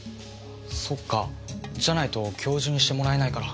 そっかじゃないと教授にしてもらえないから。